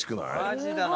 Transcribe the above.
マジだな。